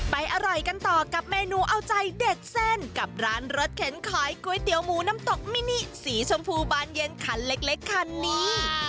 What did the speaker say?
อร่อยกันต่อกับเมนูเอาใจเด็กเส้นกับร้านรถเข็นขายก๋วยเตี๋ยวหมูน้ำตกมินิสีชมพูบานเย็นคันเล็กคันนี้